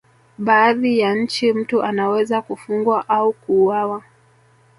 baadhi ya nchi mtu anaweza kufungwa au kuuawa